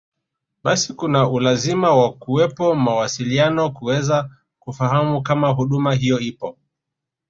Basi kuna ulazima wa kuwepo mawasiliano kuweza kufahamu kama huduma hiyo ipo